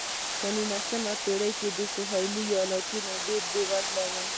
په نولسمې پېړۍ کې سوېلي ایالتونه ډېر بېوزله وو.